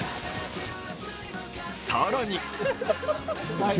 更に！